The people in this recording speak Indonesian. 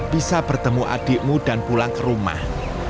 bisa bertemu adikmu dan pulang ke rumah